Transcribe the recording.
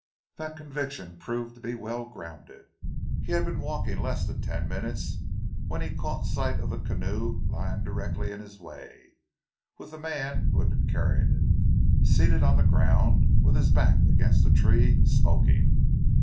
That conviction proved to be well grounded. He had been walking less than ten minutes when he caught sight of the canoe lying directly in his way, with the man who had been carrying it, seated on the ground with his back against a tree, smoking.